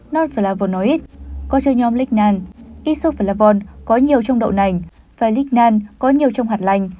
non flavonoid có chứa nhóm lignan isoflavone có nhiều trong đậu nành và lignan có nhiều trong hạt lành